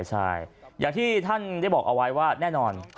ใช่อย่างที่ท่านได้บอกเอาไว้ว่าแน่นอน